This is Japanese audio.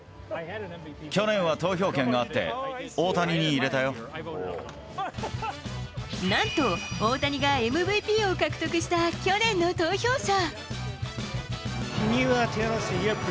去年は投票権があって、なんと、大谷がＭＶＰを獲得した去年の投票者。